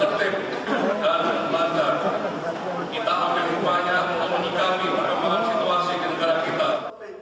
kita ambil upaya untuk menikami perkembangan situasi di negara kita